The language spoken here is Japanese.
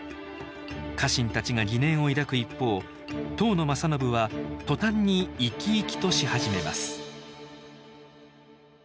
家臣たちが疑念を抱く一方当の正信は途端に生き生きとし始めます